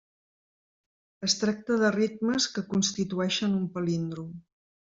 Es tracta de ritmes que constitueixen un palíndrom.